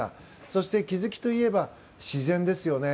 そして気づきといえば自然ですよね。